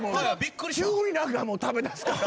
急に何かもう食べだすから。